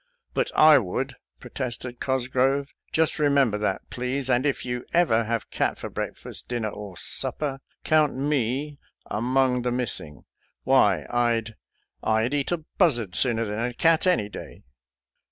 " But I would," protested Cosgrove. " Just remember that, please; and if you ever have cat for breakfast, dinner, or supper, count me among 274 SOLDIER'S LETTERS TO CHARMING NELLIE the missing. Why, I'd— I'd eat a buzzard sooner than a cat, any day."